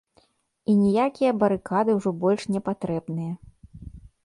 І ніякія барыкады ўжо больш не патрэбныя.